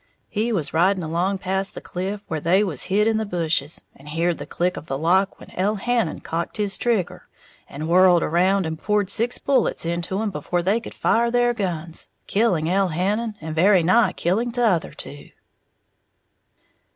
He was riding along past the cliff where they was hid in the bushes, and heared the click of the lock when Elhannon cocked his trigger, and whirled around and poured six bullets into 'em before they could fire their guns, killing Elhannon and very nigh killing t'other two."